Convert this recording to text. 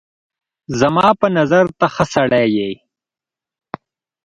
زما په نظر ته ښه سړی یې